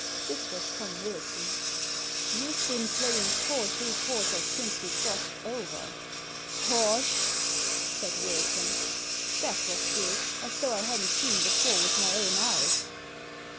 This was Tom Wilson. " YouVe been playing four three quarters since we crossed over." "Bosh! "said Wilson. That was good, as though I hadn't seen the four with my own eyes.